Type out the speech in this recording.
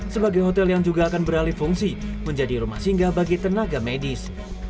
sebagai hotel yang juga akan beralih fungsi menjadi rumah singgah bagi tenaga medis